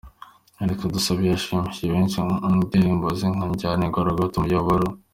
Alex Dusabe yashimishije benshi mu ndirimbo ze nka Njyana i Gorogota, Umuyoboro.